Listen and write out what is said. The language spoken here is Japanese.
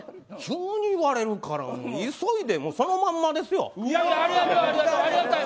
急に言われるから急いで、そのままですよ。